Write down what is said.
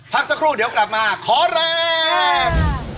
พักสักครู่เดี๋ยวกลับมาขอแรง